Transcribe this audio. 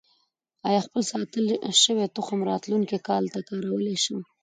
آیا خپل ساتل شوی تخم راتلونکي کال ته کارولی شم؟